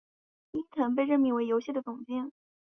伊藤被任命为游戏的总监。